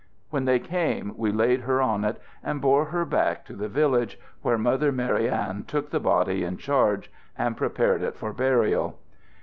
When they came we laid her on it, and bore her back to the village, where Mother Marianne took the body in charge and prepared it for burial.